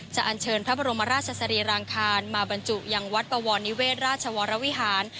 อันเชิญพระบรมราชสรีรางคารมาบรรจุยังวัดปวรนิเวศราชวรวิหาร